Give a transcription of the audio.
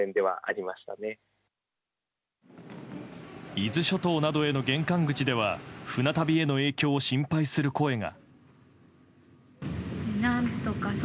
伊豆諸島などへの玄関口では船旅への影響を心配する声が。